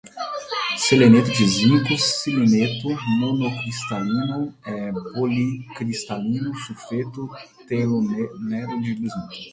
seleneto de zinco, siliceno, monocristalino, policristalino, sulfeto, telureto de bismuto